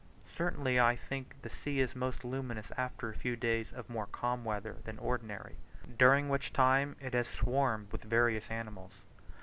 Certainly I think the sea is most luminous after a few days of more calm weather than ordinary, during which time it has swarmed with various animals.